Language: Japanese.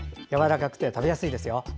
やわらかくて食べやすいですよ。